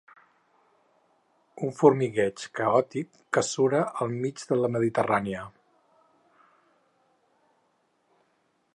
Un formigueig caòtic que sura al mig de la Mediterrània.